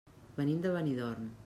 Venim de Benidorm.